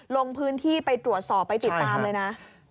ลงพื้นที่ไปตรวจสอบไปติดตามเลยนะ